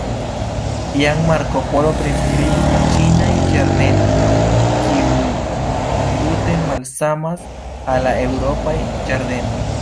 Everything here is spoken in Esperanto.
Jam Marco Polo priskribis la ĉinaj ĝardenoj, kiuj tute malsamas al la eŭropaj ĝardenoj.